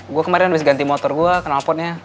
gue kemarin abis ganti motor gue knalpotnya